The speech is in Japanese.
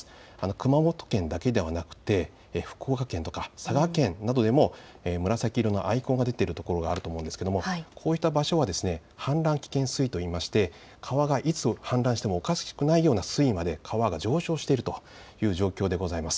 熊本県だけではなくて福岡県や佐賀県などでも紫色のアイコンが出ているところがあると思うんですがこういった場所は氾濫危険水位といいまして川がいつ氾濫してもおかしくないような水位まで川が上昇しているという状況でございます。